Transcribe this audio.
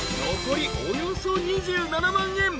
［残りおよそ２７万円。